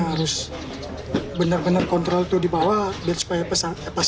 harus benar benar kontrol tuh di bawah supaya pasinya cepat